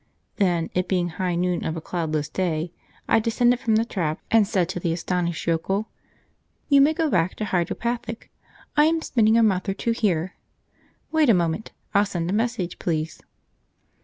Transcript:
Then, it being high noon of a cloudless day, I descended from the trap and said to the astonished yokel: "You may go back to the Hydropathic; I am spending a month or two here. Wait a moment I'll send a message, please!"